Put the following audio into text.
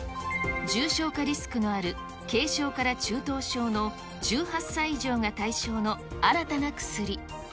重症化リスクのある軽症から中等症の１８歳以上が対象の新たな薬。